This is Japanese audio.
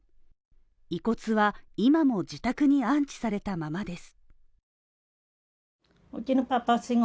遺骨は今も自宅に安置されたままです。